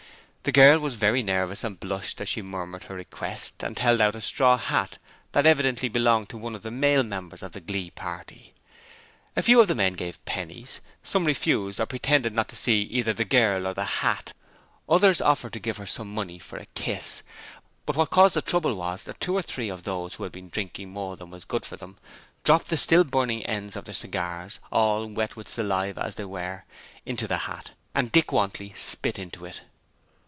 The girl was very nervous and blushed as she murmured her request, and held out a straw hat that evidently belonged to one of the male members of the glee party. A few of the men gave pennies, some refused or pretended not to see either the girl or the hat, others offered to give her some money for a kiss, but what caused the trouble was that two or three of those who had been drinking more than was good for them dropped the still burning ends of their cigars, all wet with saliva as they were, into the hat and Dick Wantley spit into it.